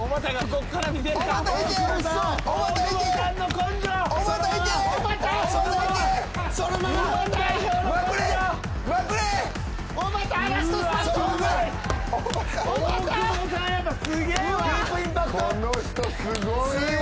この人すごいわ。